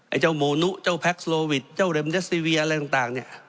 เจ้าหมูนุเจ้าแพ็คโลวิทเจ้าเด็มเดสซีเวียอะไรต่างเนี่ย